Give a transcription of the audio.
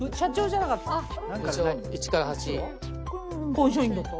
会社員だった。